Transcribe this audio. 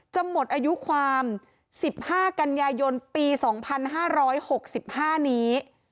หมดอายุความ๑๕กันยายนปี๒๕๖๕นี้